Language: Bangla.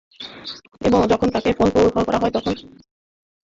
যখন তাঁদের ফোন দেওয়া হয়, তখন তাঁরা কর্মস্থলে দায়িত্ব পালন করছিলেন।